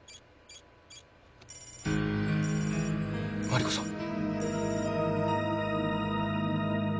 マリコさん！